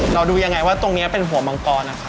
เราดูยังไงว่าตรงนี้เป็นหัวมังกร